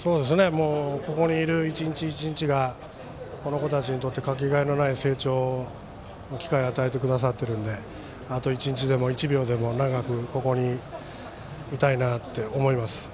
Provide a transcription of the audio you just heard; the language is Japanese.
ここにいる一日一日がこの子たちにとってかけがえのない成長の機会を与えてくださってるのであと１日でも１秒でも長くここにいたいなって思います。